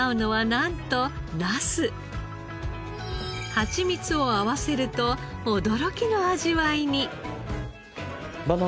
ハチミツを合わせると驚きの味わいに。